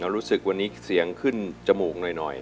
รู้สึกวันนี้เสียงขึ้นจมูกหน่อย